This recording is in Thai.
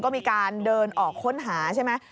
ก็มีการเดินออกค้นหาใช่ไหม